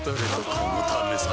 このためさ